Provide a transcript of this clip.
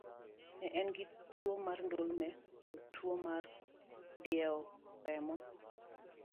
Ne en gi tuwo mar ndulme kod tuwo mar diewo remo.